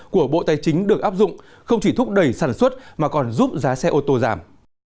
của bộ tài chính được áp dụng không chỉ thúc đẩy sản xuất mà còn giúp giá xe ô tô giảm